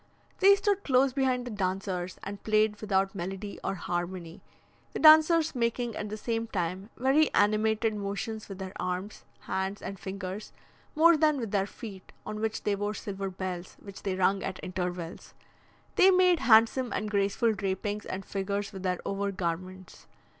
They stood close behind the dancers, and played without melody or harmony; the dancers making at the same time very animated motions with their arms, hands, and fingers, more than with their feet, on which they wore silver bells, which they rung at intervals. They made handsome and graceful drapings and figures with their over garments.